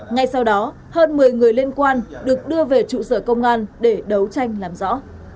ngay sau đó hơn một mươi người liên quan được đưa về trụ sở công an để đấu tranh làm rõ